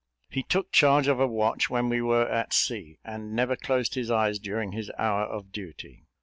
He took charge of a watch when we were at sea, and never closed his eyes during his hour of duty.